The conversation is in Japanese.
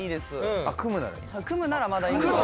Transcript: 組むならまだいいんです。